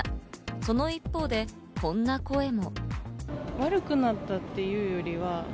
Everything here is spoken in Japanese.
その一方でこんな声も。